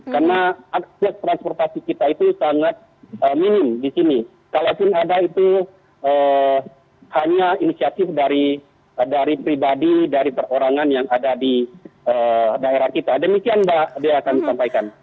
karena akses transportasi kita itu sangat minim di sini kalaupun ada itu hanya inisiatif dari pribadi dari perorangan yang ada di daerah kita demikian mbak dea akan sampaikan